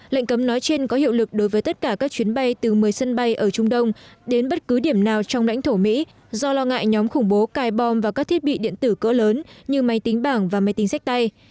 lệnh cấm nói trên có hiệu lực đối với tất cả các chuyến bay từ một mươi sân bay ở trung đông đến bất cứ điểm nào trong lãnh thổ mỹ do lo ngại nhóm khủng bố cài bom vào các thiết bị điện tử cỡ lớn như máy tính bảng và máy tính sách tay